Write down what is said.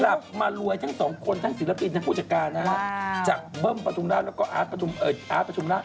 กลับมารวยทั้งสองคนทั้งศิลปินทั้งผู้จัดการนะฮะจากเบิ้มประทุมราชแล้วก็อาร์ตอาร์ตประทุมราช